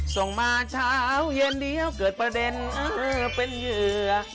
ส่งมาเช้าเย็นเดี๋ยวเกิดประเด็นเป็นเหยื่อ